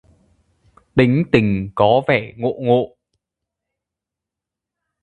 Tính tình có vẻ ngộ ngộ